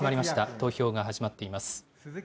投票が始まっています。